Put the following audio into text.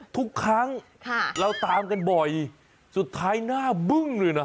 ทุกครั้งเราตามกันบ่อยสุดท้ายหน้าบึ้งเลยนะ